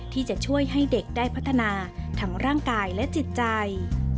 ที่จะช่วยให้เด็กได้พัฒนาทั้งร่างกายและจิตใจ